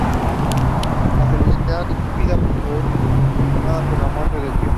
La felicidad de su vida juntos es sesgada por la muerte del tío.